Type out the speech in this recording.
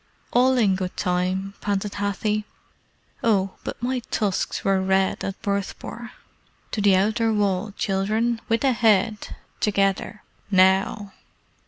"All in good time," panted Hathi. "Oh, but my tusks were red at Bhurtpore; To the outer wall, children! With the head! Together! Now!"